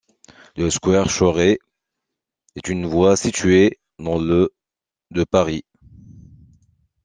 Le square Chauré est une voie située dans le de Paris.